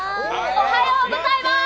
おはようございます！